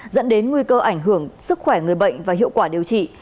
dẫn đến nguy cơ ảnh hưởng sức khỏe người bệnh và hiệu quả điều trị